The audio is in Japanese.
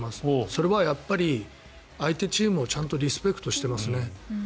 それは相手チームをちゃんとリスペクトしてますね。